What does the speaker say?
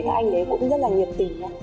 các anh ấy cũng rất là nhiệt tình